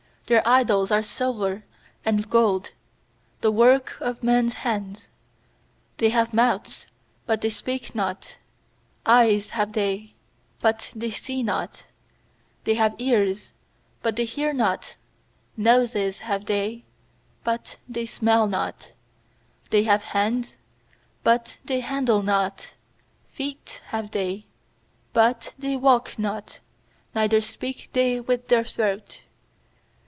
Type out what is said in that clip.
4Their idols are silver and gold, The work of men's hands. sThey have mouths, but they speak not; Eyes have they, but they see not; 6They have ears, but they hear not; Noses have they, but they smell not; 7They have hands, but they handle not; Feet have they, but they walk not; Neither speak they With their throat.